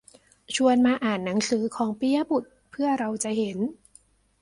ชวนมาอ่านหนังสือของปิยบุตรเพื่อเราจะเห็น